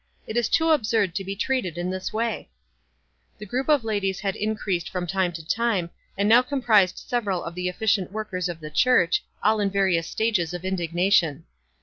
"It is too absurd to be treated in this way/' The group of ladies had increased from time to time, and now comprised several of the effi cient workers of the church, all in various stages of indignation.